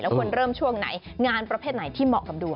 ควรเริ่มช่วงไหนงานประเภทไหนที่เหมาะกับดวง